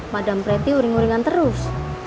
madam pretty uring uringan terus